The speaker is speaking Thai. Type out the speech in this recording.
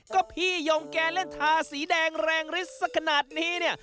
ก็พี่ยงแกเล่นทาสีแดงแรงฤทธิ์สักขนาดนี้เนี่ย